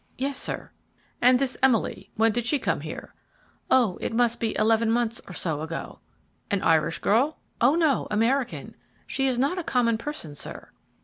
"Yes sir." "And this Emily, when did she come here?" "Oh it must be eleven months or so ago." "An Irish girl?" "O no, American. She is not a common person, sir."